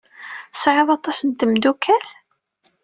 Tesɛiḍ aṭas n tmeddukal?